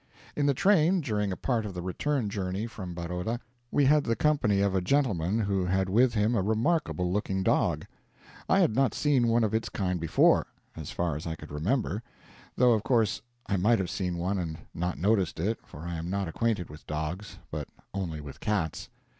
In the train, during a part of the return journey from Baroda, we had the company of a gentleman who had with him a remarkable looking dog. I had not seen one of its kind before, as far as I could remember; though of course I might have seen one and not noticed it, for I am not acquainted with dogs, but only with cats.